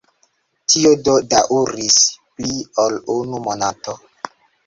Tio do daŭris pli ol unu monato.